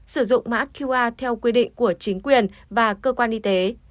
sử dụng mã qr theo quy định của chính quyền và cơ quan y tế